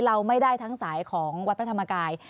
เราไม่ได้ทั้งสายของวัดพระธรรมกาย